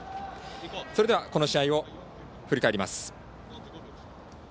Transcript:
それではこの試合を振り返ります。